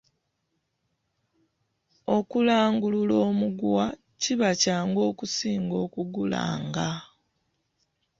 Okulangulula omugwa kiba kyangu okusinga okugulanga.